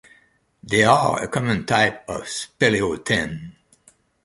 They are a common type of speleothem.